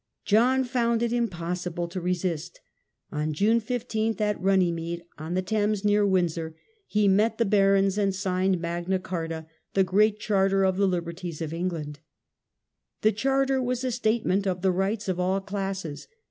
John found it impossible to resist. On June 15, at Runnymede on the Thames, near Windsor, he met the barons and signed Magna Carta, the great charter of the liberties of Eng land. The charter was a statement of the rights of all classes.